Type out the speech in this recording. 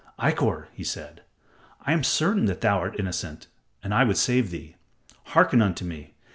"Ikkor," he said, "I am certain that thou art innocent, and I would save thee. Hearken unto me.